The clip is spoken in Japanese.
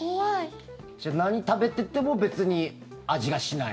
じゃあ何食べてても別に味がしない？